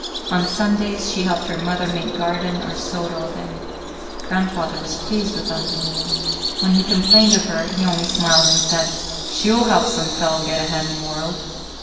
On Sundays she helped her mother make garden or sewed all day. Grandfather was pleased with Ántonia. When we complained of her, he only smiled and said, "She will help some fellow get ahead in the world."